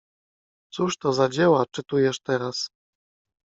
— Cóż to za dzieła czytujesz teraz?